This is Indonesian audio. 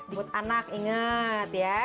sejumput anak inget ya